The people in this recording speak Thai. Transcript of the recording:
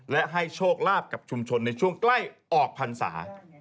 และให้โชคลาภกับชุมชนในช่วงใกล้ออกพรรษา